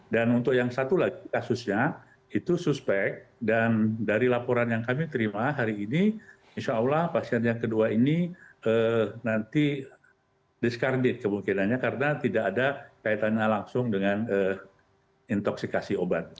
dan untuk yang satu lagi kasusnya itu suspek dan dari laporan yang kami terima hari ini insya allah pasien yang kedua ini nanti discarded kemungkinannya karena tidak ada kaitannya langsung dengan intoxikasi obat